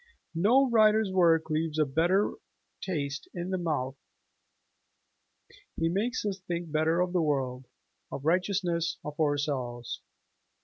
No writer's work leaves a better taste in the mouth; he makes us think better of the world, of righteousness, of ourselves.